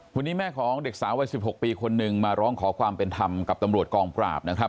วันนี้แม่ของเด็กสาววัย๑๖ปีคนนึงมาร้องขอความเป็นธรรมกับตำรวจกองปราบนะครับ